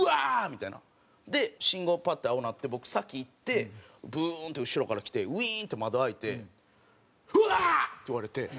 みたいな。で信号パッと青になって僕先行ってブーンって後ろから来てウィーンって窓開いて「うわー！」って言われて。